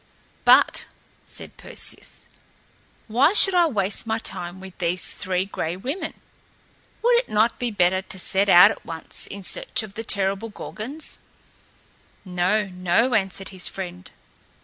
"But," said Perseus, "why should I waste my time with these Three Gray Women? Would it not be better to set out at once in search of the terrible Gorgons?" "No, no," answered his friend.